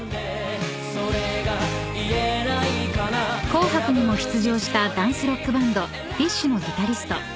［『紅白』にも出場したダンスロックバンドＤＩＳＨ／／のギタリスト］